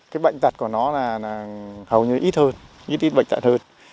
cái bệnh tật của nó là hầu như ít hơn ít ít bệnh tật hơn